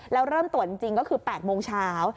แล้วเริ่มตรวจจริงก็คือ๘โมงเช้า